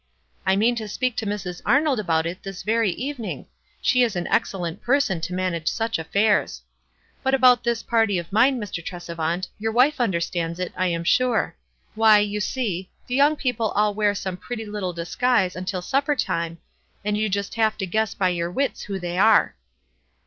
I mean to speak to Mrs. Arnold about it this very evening; she is an excellent person to manage such affairs. But about this party of mine, Mr. Tresevant, your wife understands it, I am sure. Why, you see, the young people all wear some pretty little disguise until supper time, and you just have to guess by your wita who thev nre." 228 WISE AND OTHERWISE.